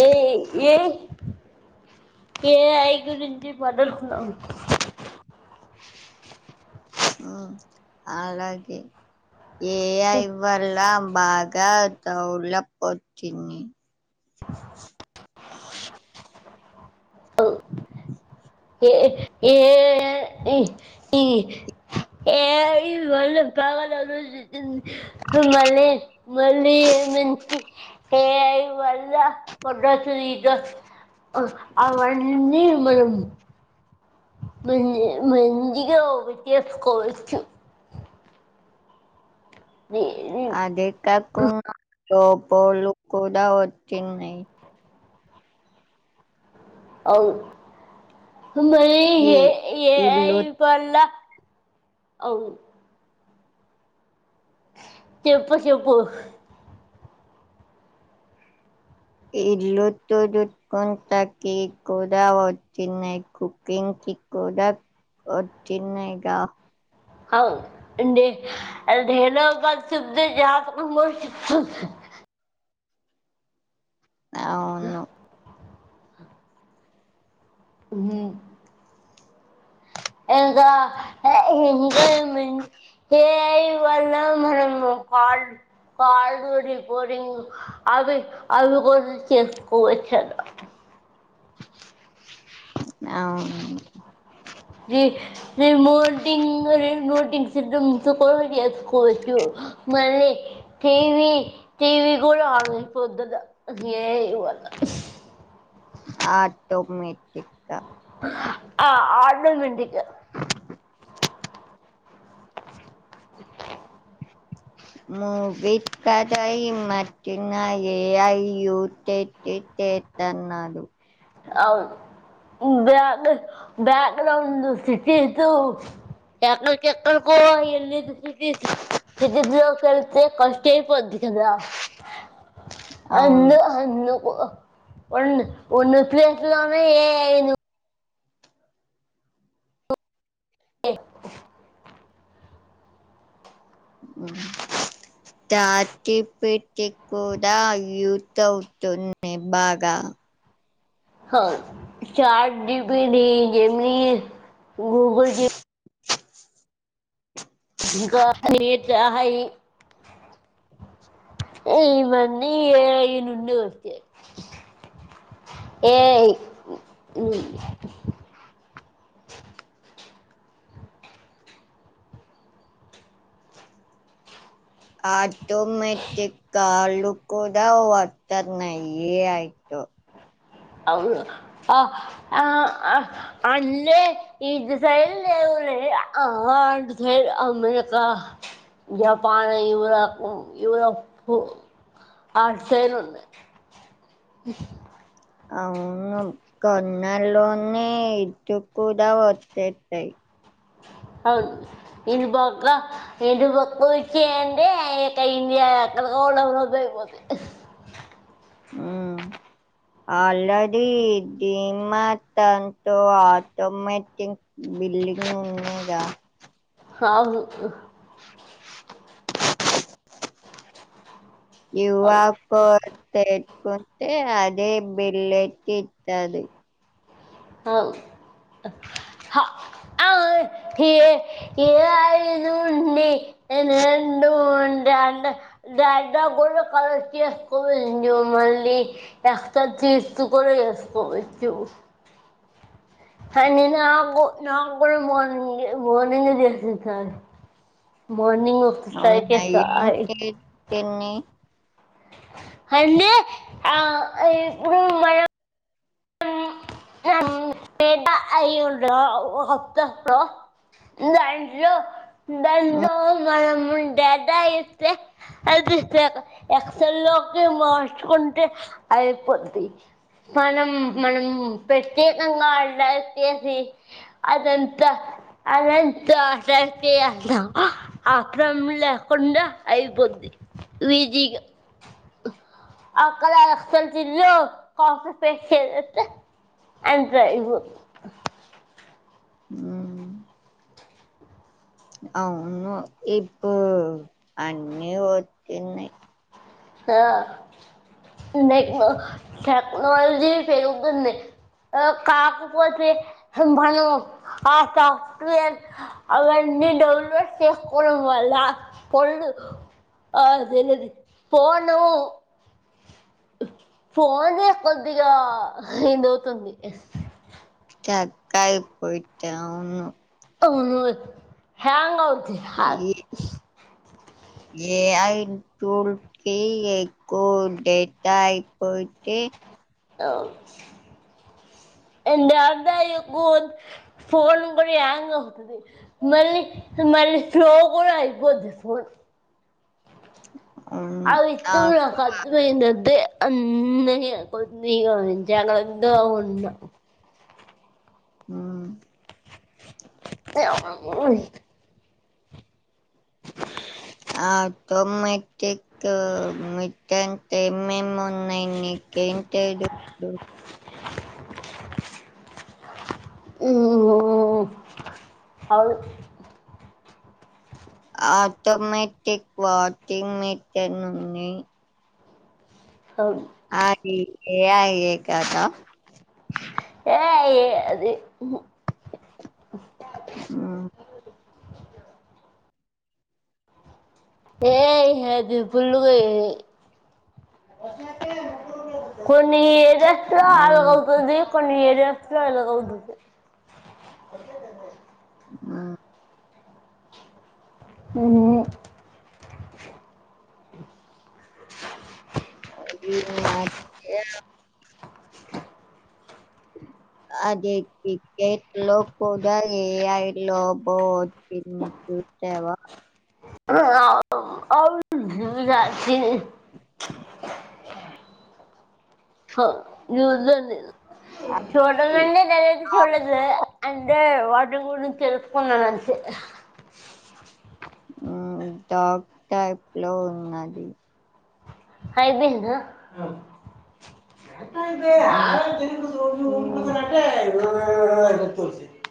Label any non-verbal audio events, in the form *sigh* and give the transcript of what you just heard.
A A A I గరించి *unintelligible* అలాగే A I వల్ల బాగ డేవలప్ వచ్చింది *unintelligible* ఎ ఐ వల్ల *unintelligible* మల్లి మళ్ళీ మంచి ఎ ఐ వళ్ళ *unintelligible* అవన్నీ మనం *inaudible* *unintelligible* లోపోలు కూడావచ్చిన్నాయి అవును ఈ ఏ ఐ ఇల్లు వల్ల అవు చెప్పు చెప్పు *unintelligible* *unintelligible* వచ్చినాయ్ గ అవుడి ఆ వినపడుతుంది జ త *unintelligible* అవును ఆ ఉహ్మ్ ఇంకా ఇంకా ఏమి అంటే ఇలా మనము కాల్ కాల్ రిపోడింగ్ అవి అవి కూడా చేసుకోవచ్చు అవును రీ రిమోటింగ్ రిమోటింగ్ *unintelligible* చేకొసుకోచ్చ మళ్ళీ టీవీ టీవీ కూడా ఆన్ అయిపోతుదిగా ఏఐ వల్ల ఆటోమేటిక్గా ఆ ఆటోమేటిక్ గా మోబీకడయి మాటీనా ఏఐ యూస్ చే *unintelligible* చేస్తానారు అవు బ్యాక్ బ్యాక్గ్రౌం సిటీ తు పట్నం కేతు కు ఏ *unintelligible* కిదికీ లో కేళ్తే కష్ట అయిపోద్ది కదా అన్ అవును ద అందుకు ఉండు ఉన్ *unintelligible* లోనే ఏఐ ను ఏ ఉహ్మ్ తాటి పెట్టి కూడా యూస్ అవుతుంది బాగా ఉహ్ చాట్ జిపిటి జెమిని గూగుల్ జెమ్ చయి ఇవన్నీ ఏ ఐ నుండే వచ్చాయి ఏఐ ఉహ్మ్ ఆటోమేటిక్ కాలు కూడా వత్తన్నాయి అయితే ఓ అవును ఆ ఆ ఆ అన్నే ఇటు సైడ్ లెవ్ *unintelligible* అట్లాంటిది లేదు అమెరికా జపాన్ యూప్ యూరోప్ అటుసైడ్ ఉనాయి ఉ అవును కొన్నాల్లోనే ఇటు కూడా వచ్చేస్తాయి అవును ఇటు పక్క ఇటు పక్క వచ్చాయి అంటే ఇంకా ఇండియా ఎక్కడికో డెవలప్ *unintelligible* ఉహ్మ్ ఆల్రెడి *unintelligible* ఆటోమేటిక్ బిల్డింగ్ ఉన్నాద కాదు *unintelligible* అవును లే బిళ్ళు ఎట్ల ఇత్తది అవు *unintelligible* *unintelligible* *unintelligible* అనీ నాకు నా కూడా మార్నింగ్ మార్నింగ్ చేసింది సార్ మార్నింగ్ అవునా ఒక ఏం *unintelligible* చేతిని అన్ని ఆ ఇప్పుడు మాయ *unintelligible* దాంట్లో మనము ఉం డేటా ఇస్తే అదిస్తే ఎక్సల్ లోకి మార్చుకుంటే అయిపోద్ది మనం మనం ప్రత్యేకంగా అడచ్చేసి అదంతా అదం *unintelligible* ఆక్రమం లేకుండా అయిపోద్ది *unintelligible* కాఫీ పే అంతే ఇపూ హ్ అవును ఇప్పుడు అన్నీ వచ్చినాయి ఆ నెక్స్ట్ టెక్నోలజీ పెరుగుతుంది కాకుపోతే మనము అ సాఫ్ట్వేర్ అవన్నీ డౌన్లోడ్ చేసుకోవడము వల్ల పొడులు అది *unintelligible* పోను ఫోనే కొద్దిగా ఇదవుతుంది. అక్కయి పోయిట ఆవును అవును హ్యాంగ్ అవుద్ది ఈ ఏఐ టుల్కి ఎక్కువ డేటయిపోతే అవు *unintelligible* ఫోన్ కూడా హ్యాంగ్ అవుతుంది మళ్ళీ మళ్ళీ స్లో కూడా అయిపోద్ది ఫోన్ ఆ విత్తం నాకు అర్థమయింది అంతే అన్నయా కొన్నిగా జాగ్రత్తగావున్నా హ్ ఆటోమాటిక్ మట్టన్ ఏం ఎం ఉన్నాయి. నికు కేంటెడు ఇప్పుడు హ్ అవు ఆటోమటిక్ వాషింగ్ మెషీన్ ఉన్నయి అవును ఏఐ ఏ కదా ఏఐ అది హ్మ్ ఏఐ ఆది ఫుల్లుగా ఏఐ కొన్ని ఏరియాస్లో అవును అలాగవుతుంది కొన్ని ఏరియా స్లో ఇలాగవుతుంది ఉమ్మ్ ఉమ్మ్ అది మాకి అది క్రికెట్లో కూడ ఏఐ లొబో దీన్ని చూచావా ఆ అవును రాసిం ఆ నుజోనిల్ అది చూడాలంటే డైరెక్ట్ డాగ్ చూడలేదులే అంటే వాటి గురించి తెలుసుకున్నాను అంతే ఉమ్మ్ డాగ్ టైప్ లోఉన్నది అయిపోయిందా హ్మ్ *unintelligible* *unintelligible*